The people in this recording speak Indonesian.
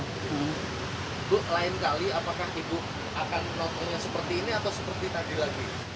ibu lain kali apakah ibu akan melakukannya seperti ini atau seperti tadi lagi